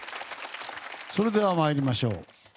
それでは参りましょう。